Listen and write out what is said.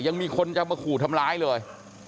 ยังมีคนจะมาขู่ทำร้ายเลย